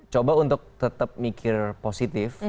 coba untuk tetap mikir positif